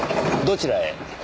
どちらへ？